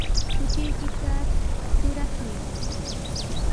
Chukuykita trurakuy.